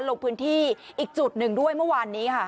ลงพื้นที่อีกจุดหนึ่งด้วยเมื่อวานนี้ค่ะ